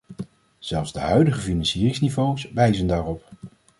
Zelfs de huidige financieringsniveaus wijzen daarop.